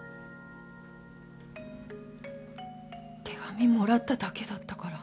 手紙もらっただけだったから。